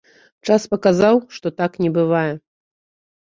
Час паказаў, што так не бывае.